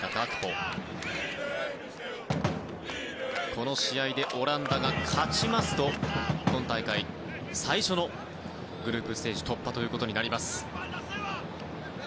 この試合でオランダが勝ちますと今大会、最初のグループステージ突破となります。